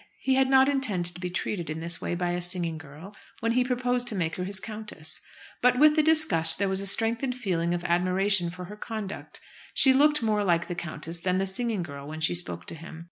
He had not intended to be treated in this way by a singing girl, when he proposed to make her his countess. But with the disgust there was a strengthened feeling of admiration for her conduct. She looked much more like the countess than the singing girl when she spoke to him.